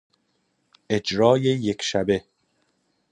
اجرای یکشبه